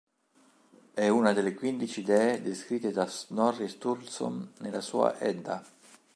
È una delle quindici dee descritte da Snorri Sturluson nella sua Edda.